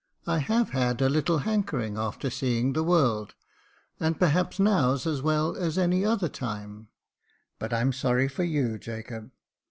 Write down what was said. I have had a little hankering after seeing the world, and perhaps now's as well as any other time ; but I'm sorry for you, Jacob."